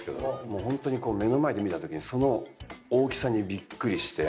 もうホントに目の前で見たときにその大きさにびっくりして。